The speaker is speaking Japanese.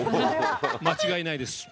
間違いないです。